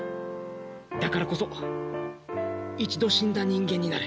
だからこそ一度死んだ人間になれ。